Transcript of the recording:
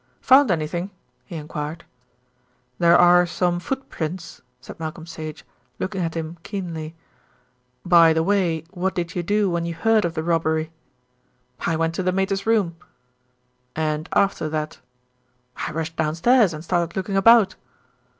"Found anything?" he enquired. "There are some footprints," said Malcolm Sage, looking at him keenly. "By the way, what did you do when you heard of the robbery?" "I went to the Mater's room." "And after that?" "I rushed downstairs and started looking about."